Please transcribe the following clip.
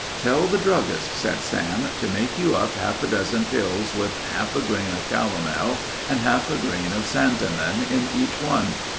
"Tell the druggist," said Sam, "to make you up half a dozen pills with half a grain of calomel and half a grain of santonin in each one.